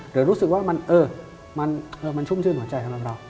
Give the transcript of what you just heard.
หรือรู้สึกว่ามันชุ่มชื่นของใจของเรา